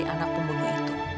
ini pak pandemia